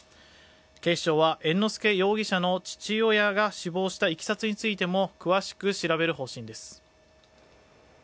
警視庁は猿之助容疑者の父親が死亡したいきさつについても詳しく調べる方針です。